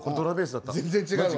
全然違うわ。